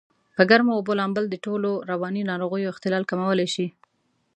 په ګرمو اوبو لامبل دټولو رواني ناروغیو اختلال کمولای شي.